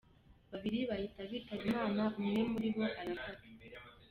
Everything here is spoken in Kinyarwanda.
Babiri bahita bitaba Imana umwe muri arafatwa.